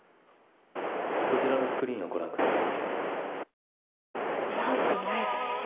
こちらのスクリーンをご覧ください